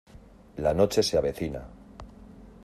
la noche se avecina.